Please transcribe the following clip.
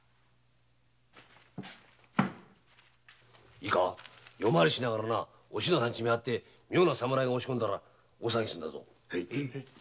いいか夜回りしながらお篠さんの家を見張って妙な侍が押し込んだら大騒ぎするんだぞ。